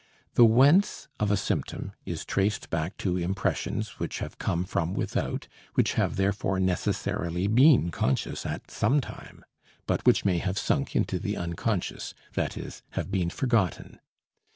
The "whence" of a symptom is traced back to impressions which have come from without, which have therefore necessarily been conscious at some time, but which may have sunk into the unconscious that is, have been forgotten.